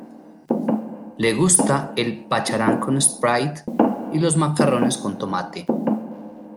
Le gusta el pacharán con Sprite y los macarrones con tomate.